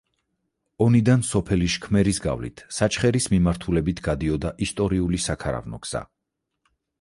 ონიდან სოფელი შქმერის გავლით საჩხერის მიმართულებით გადიოდა ისტორიული საქარავნო გზა.